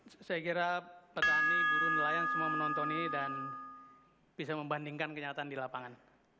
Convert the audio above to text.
saya kira petani buruh nelayan semua menonton ini dan bisa membandingkan kenyataan di lapangan